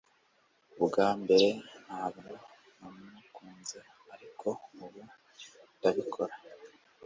Ubwa mbere ntabwo namukunze, ariko ubu ndabikora.